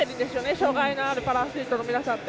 障がいのあるパラアスリートの皆さんって。